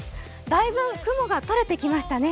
だいぶ雲が取れてきましたね。